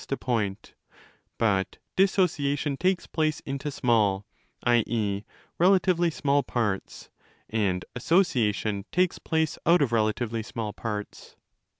ait bias adult Σ = BOOK I. 2 317" point: but 'dissociation' takes place into small (i.e. re latively small) parts, and 'association' takes place out of relatively small parts.